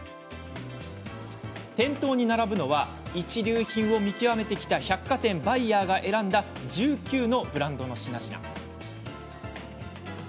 店頭に並ぶのは一流品を見極めてきた百貨店バイヤーが選んだ１９のブランドの品々。